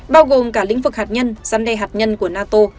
bao gồm cả lĩnh vực hạt nhân rắn đầy hạt nhân của nato